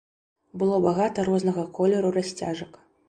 Было багата рознага колеру расцяжак.